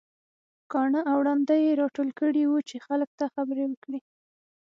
کاڼه او ړانده يې راټول کړي وو چې خلک ته خبرې وکړي.